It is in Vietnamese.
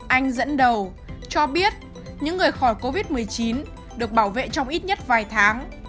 anh dẫn đầu cho biết những người khỏi covid một mươi chín được bảo vệ trong ít nhất vài tháng